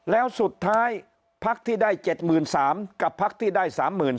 แล้วสุดท้ายภักดิ์ที่ได้๗๓๘๗๗กับภักดิ์ที่ได้๓๓๔๐๐